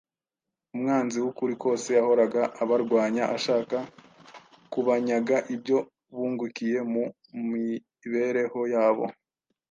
umwanzi w’ukuri kose yahoraga abarwanya ashaka kubanyaga ibyo bungukiye mu mibereho yabo